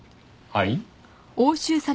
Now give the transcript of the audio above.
はい？